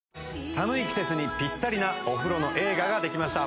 寒い季節にぴったりなお風呂の映画ができました。